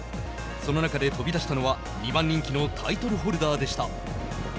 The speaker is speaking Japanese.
その中で飛び出したのは２番人気のタイトルホルダーでした。